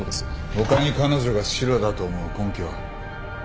他に彼女がシロだと思う根拠は？